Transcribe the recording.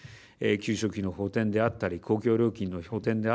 給食費の補てんであったり公共料金の補てん